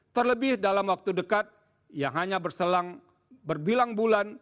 terlebih dalam waktu dekat yang hanya berselang berbilang bulan